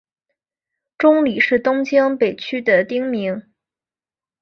中里是东京都北区的町名。